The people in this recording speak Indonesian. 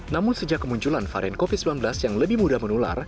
namun sejak kemunculan varian covid sembilan belas yang lebih mudah menular